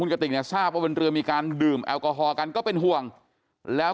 กระติกเนี่ยทราบว่าบนเรือมีการดื่มแอลกอฮอลกันก็เป็นห่วงแล้ว